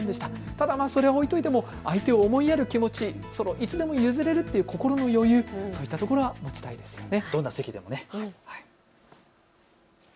ただそれは置いておいても相手を思いやる気持ち、いつでも譲れるという心の余裕、そういったところは持ちたいですよね。